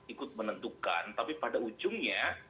ikut menentukan tapi pada ujungnya